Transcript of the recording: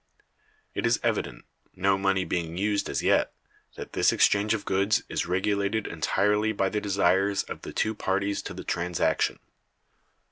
It is evident (no money being used as yet) that this exchange of goods is regulated entirely by the desires of the two parties to the transaction.